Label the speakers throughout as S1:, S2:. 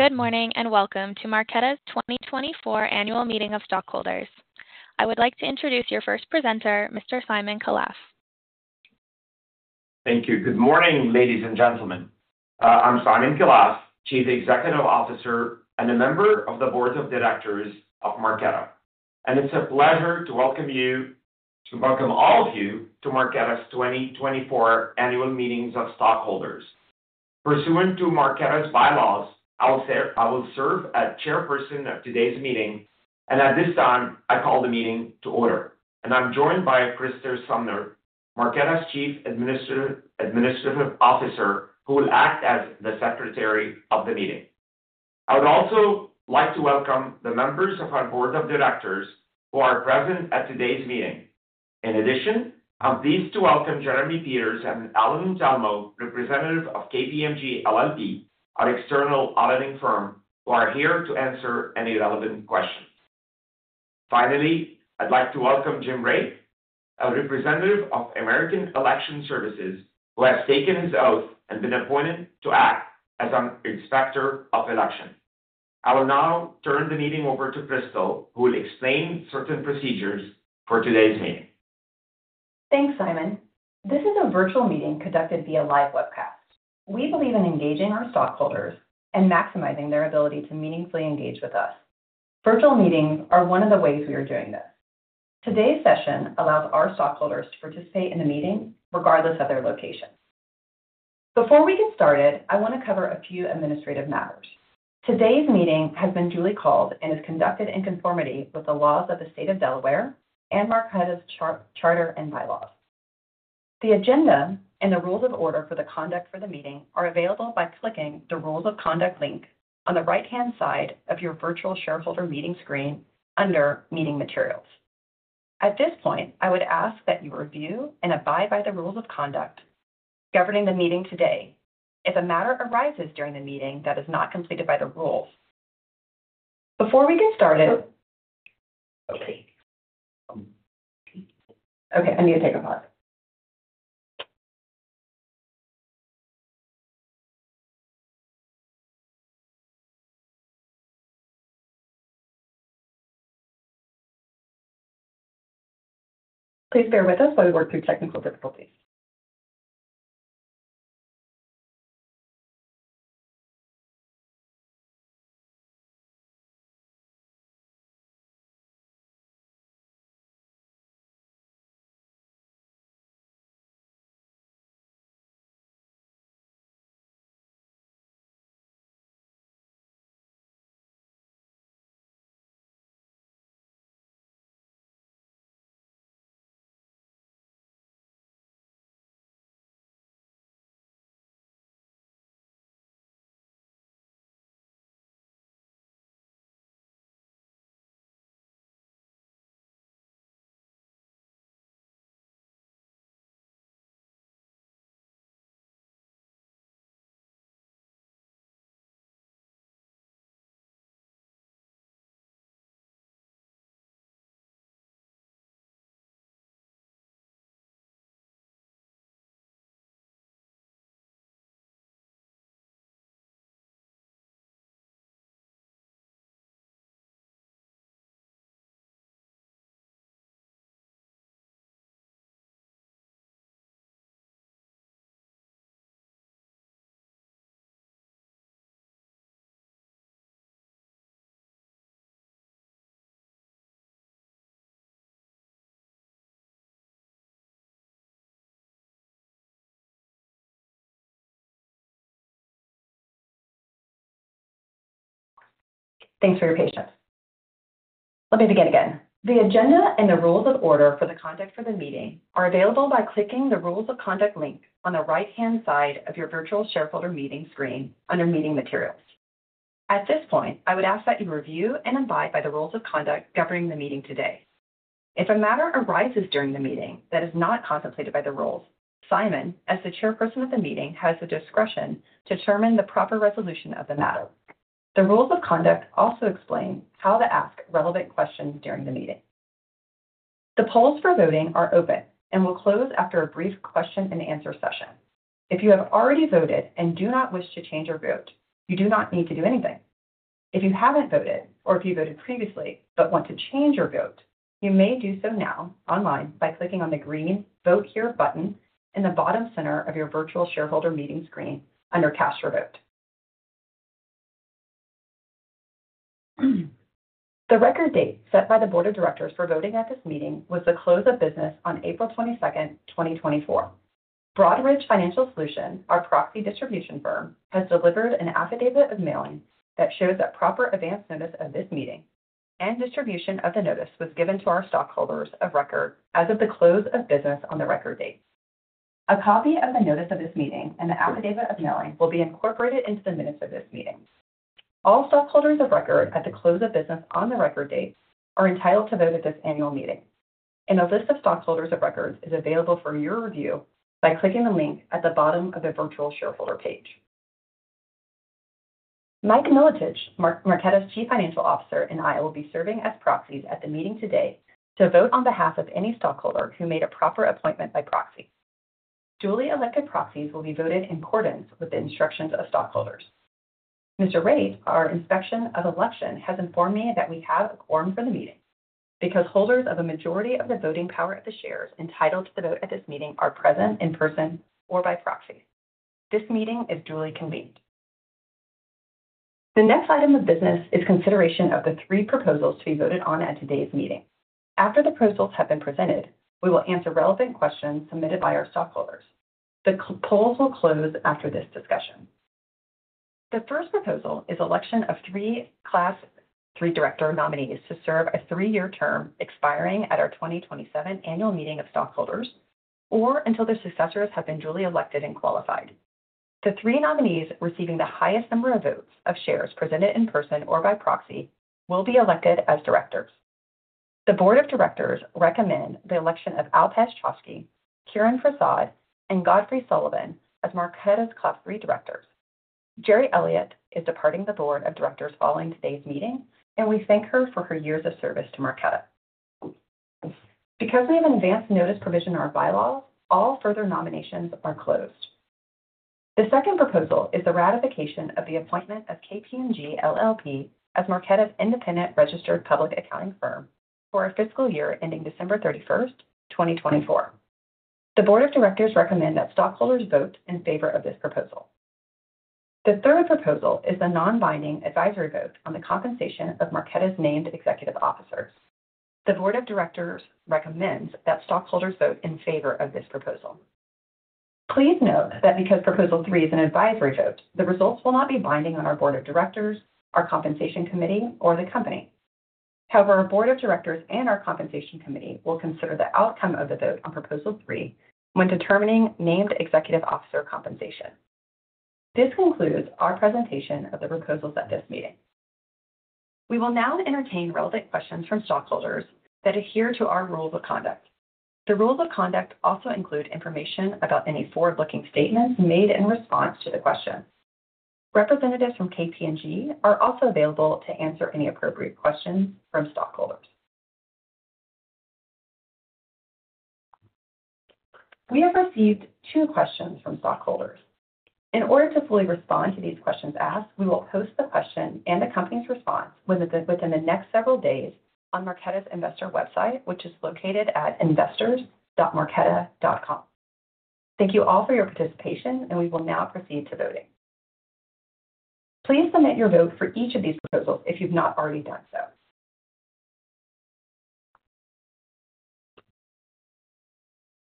S1: Good morning, and welcome to Marqeta's 2024 Annual Meeting of Stockholders. I would like to introduce your first presenter, Mr. Simon Khalaf.
S2: Thank you. Good morning, ladies and gentlemen. I'm Simon Khalaf, Chief Executive Officer and a member of the Board of Directors of Marqeta. It's a pleasure to welcome you to welcome all of you to Marqeta's 2024 Annual Meetings of Stockholders. Pursuant to Marqeta's bylaws, I will serve as chairperson of today's meeting, and at this time, I call the meeting to order. I'm joined by Crystal Sumner, Marqeta's Chief Administrative Officer, who will act as the Secretary of the meeting. I would also like to welcome the members of our Board of Directors who are present at today's meeting. In addition, I'm pleased to welcome Jeremy Peters and Allan Telmo, representatives of KPMG LLP, our external auditing firm, who are here to answer any relevant questions. Finally, I'd like to welcome Jim Raith, a representative of American Election Services, who has taken his oath and been appointed to act as an inspector of election. I will now turn the meeting over to Crystal, who will explain certain procedures for today's meeting.
S3: Thanks, Simon. This is a virtual meeting conducted via live webcast. We believe in engaging our stockholders and maximizing their ability to meaningfully engage with us. Virtual meetings are one of the ways we are doing this. Today's session allows our stockholders to participate in the meeting regardless of their location. Before we get started, I want to cover a few administrative matters. Today's meeting has been duly called and is conducted in conformity with the laws of the State of Delaware and Marqeta's charter and bylaws. The agenda and the rules of order for the conduct for the meeting are available by clicking the Rules of Conduct link on the right-hand side of your virtual shareholder meeting screen under Meeting Materials. At this point, I would ask that you review and abide by the rules of conduct governing the meeting today. If a matter arises during the meeting that is not completed by the rules. Before we get started. Okay, okay, I need to take a pause. Please bear with us while we work through technical difficulties. Thanks for your patience. Let me begin again. The agenda and the rules of order for the conduct of the meeting are available by clicking the Rules of Conduct link on the right-hand side of your virtual shareholder meeting screen under Meeting Materials. At this point, I would ask that you review and abide by the rules of conduct governing the meeting today. If a matter arises during the meeting that is not contemplated by the rules, Simon, as the chairperson of the meeting, has the discretion to determine the proper resolution of the matter. The rules of conduct also explain how to ask relevant questions during the meeting. The polls for voting are open and will close after a brief question-and-answer session. If you have already voted and do not wish to change your vote, you do not need to do anything. If you haven't voted or if you voted previously but want to change your vote, you may do so now online by clicking on the green Vote Here button in the bottom center of your virtual shareholder meeting screen under Cast Your Vote. The record date set by the Board of Directors for voting at this meeting was the close of business on April 22, 2024. Broadridge Financial Solutions, our proxy distribution firm, has delivered an affidavit of mailing that shows that proper advance notice of this meeting and distribution of the notice was given to our stockholders of record as of the close of business on the record date. A copy of the notice of this meeting and the affidavit of mailing will be incorporated into the minutes of this meeting. All stockholders of record at the close of business on the record date are entitled to vote at this annual meeting, and a list of stockholders of record is available for your review by clicking the link at the bottom of the virtual shareholder page. Mike Milotich, Marqeta's Chief Financial Officer, and I will be serving as proxies at the meeting today to vote on behalf of any stockholder who made a proper appointment by proxy. Duly elected proxies will be voted in accordance with the instructions of stockholders. Mr. Raith, our inspector of election, has informed me that we have a quorum for the meeting, because holders of a majority of the voting power of the shares entitled to vote at this meeting are present in person or by proxy. This meeting is duly convened. The next item of business is consideration of the three proposals to be voted on at today's meeting. After the proposals have been presented, we will answer relevant questions submitted by our stockholders. The polls will close after this discussion. The first proposal is election of three Class III director nominees to serve a three-year term expiring at our 2027 Annual Meeting of Stockholders, or until their successors have been duly elected and qualified. The three nominees receiving the highest number of votes of shares presented in person or by proxy will be elected as directors. The Board of Directors recommends the election of Alpesh Chokshi, Kiran Prasad, and Godfrey Sullivan as Marqeta's Class III directors. Gerri Elliott is departing the Board of Directors following today's meeting, and we thank her for her years of service to Marqeta. Because we have an advanced notice provision in our bylaws, all further nominations are closed. The second proposal is the ratification of the appointment of KPMG LLP as Marqeta's independent registered public accounting firm for our fiscal year ending December 31, 2024. The Board of Directors recommends that stockholders vote in favor of this proposal. The third proposal is a non-binding advisory vote on the compensation of Marqeta's named executive officers. The Board of Directors recommends that stockholders vote in favor of this proposal. Please note that because Proposal three is an advisory vote, the results will not be binding on our Board of Directors, our Compensation Committee, or the company. However, our Board of Directors and our Compensation Committee will consider the outcome of the vote on Proposal three when determining named executive officer compensation. This concludes our presentation of the proposals at this meeting. We will now entertain relevant questions from stockholders that adhere to our rules of conduct. The rules of conduct also include information about any forward-looking statements made in response to the question. Representatives from KPMG are also available to answer any appropriate questions from stockholders. We have received two questions from stockholders. In order to fully respond to these questions asked, we will post the question and the company's response within the next several days on Marqeta's investor website, which is located at investors.marqeta.com. Thank you all for your participation, and we will now proceed to voting. Please submit your vote for each of these proposals if you've not already done so.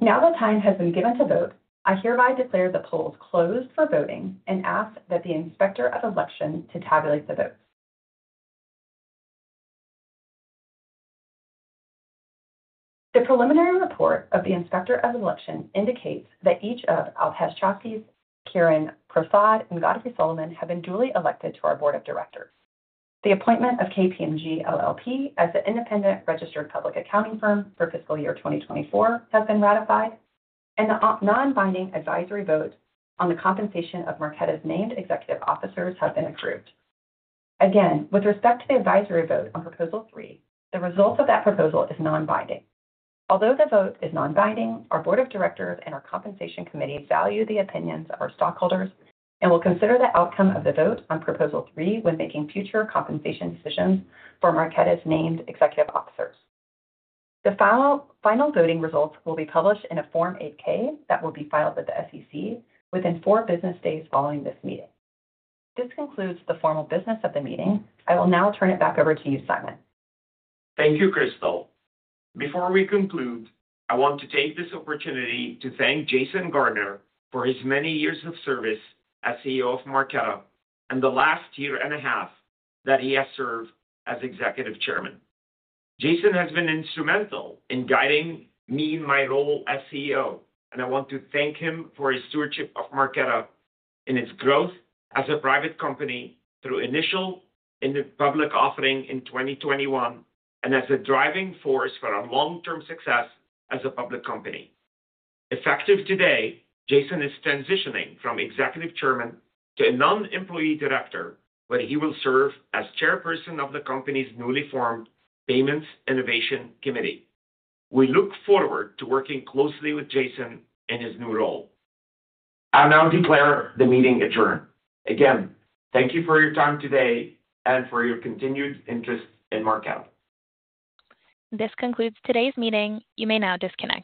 S3: Now that time has been given to vote, I hereby declare the polls closed for voting and ask that the Inspector of Election to tabulate the votes. The preliminary report of the Inspector of Election indicates that each of Alpesh Chokshi, Kiran Prasad, and Godfrey Sullivan have been duly elected to our Board of Directors. The appointment of KPMG LLP as the independent registered public accounting firm for fiscal year 2024 has been ratified, and the non-binding advisory vote on the compensation of Marqeta's named executive officers have been approved. Again, with respect to the advisory vote on Proposal 3, the results of that proposal is non-binding. Although the vote is non-binding, our Board of Directors and our compensation committee value the opinions of our stockholders and will consider the outcome of the vote on Proposal three when making future compensation decisions for Marqeta's named executive officers. The final voting results will be published in a Form 8-K that will be filed with the SEC within four business days following this meeting. This concludes the formal business of the meeting. I will now turn it back over to you, Simon.
S2: Thank you, Crystal. Before we conclude, I want to take this opportunity to thank Jason Gardner for his many years of service as CEO of Marqeta and the last year and a half that he has served as executive chairman. Jason has been instrumental in guiding me in my role as CEO, and I want to thank him for his stewardship of Marqeta and its growth as a private company through its initial public offering in 2021, and as a driving force for our long-term success as a public company. Effective today, Jason is transitioning from executive chairman to a non-employee director, where he will serve as chairperson of the company's newly formed Payments Innovation Committee. We look forward to working closely with Jason in his new role. I now declare the meeting adjourned. Again, thank you for your time today and for your continued interest in Marqeta.
S1: This concludes today's meeting. You may now disconnect.